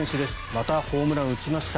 またホームランを打ちました。